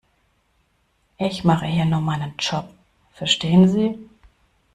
Ich mache hier nur meinen Job, verstehen Sie?